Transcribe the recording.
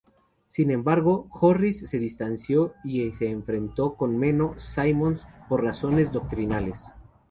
Sin embargo, Joris se distanció y se enfrentó con Menno Simons por razones doctrinales.